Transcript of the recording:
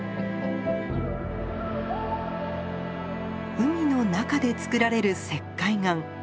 海の中でつくられる石灰岩。